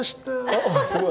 おっすごい。